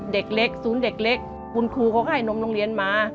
เด็กเล็กศูนย์เด็กเล็กคุณครูเขาให้นมโรงเรียนมา